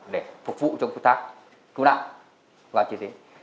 để phục vụ trong khu thác cứu nạn và chiến dịch